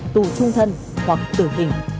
tù trung thân hoặc tử hình